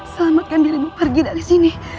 selamatkan dirimu pergi dari sini